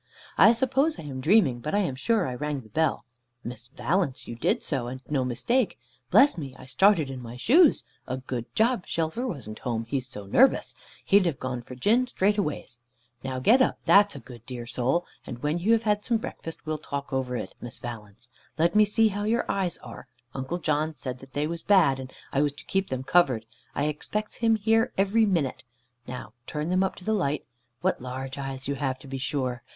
"I suppose I am dreaming. But I am sure I rang the bell." "Miss Valence, you did so, and no mistake. Bless me! I started in my shoes. A good job, Shelfer wasn't home, he's so nervous. He'd have gone for gin straightways. Now get up, that's a dear good soul, and when you have had some breakfast, we'll talk over it, Miss Valence. Let me see how your eyes are. Uncle John said they was bad, and I was to keep them covered. I expects him here every minute. Now turn them up to the light. What large eyes you have, to be sure.